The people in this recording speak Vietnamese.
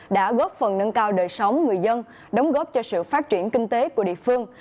đã góp phần nâng cao đời sống người dân đóng góp cho sự phát triển kinh tế của địa phương